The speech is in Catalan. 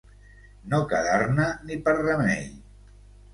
No quedar-ne ni per remei.